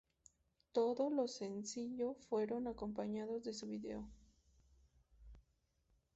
Todo los sencillo fueron acompañados de su video.